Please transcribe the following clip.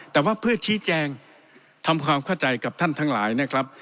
แต่ว่าเพื่อชี้แจงทำความเข้าใจกับท่านทั้งหลายนะครับ